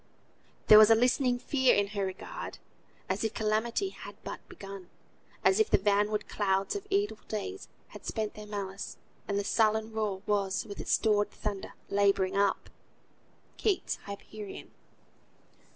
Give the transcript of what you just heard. "There was a listening fear in her regard, As if calamity had but begun; As if the vanward clouds of evil days Had spent their malice, and the sullen rear Was, with its stored thunder, labouring up." KEATS' "HYPERION."